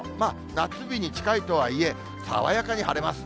夏日に近いとはいえ、爽やかに晴れます。